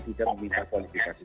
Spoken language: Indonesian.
tidak meminta kualifikasi